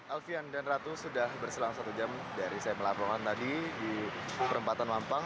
alfian dan ratu sudah berselang satu jam dari saya melaporkan tadi di perempatan mampang